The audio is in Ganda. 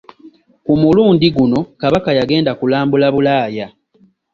Ku mulundi guno Kabaka yagenda kulambula Bulaaya.